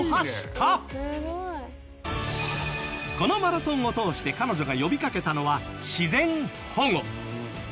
このマラソンを通して彼女が呼びかけたのは自然保護。